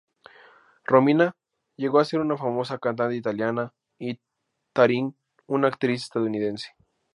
Romina llegó a ser una famosa cantante italiana y Taryn una actriz estadounidense.